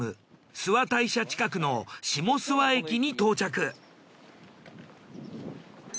諏訪大社近くの下諏訪駅に到着。